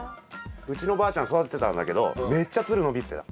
うちのばあちゃん育ててたんだけどめっちゃつる伸びてた。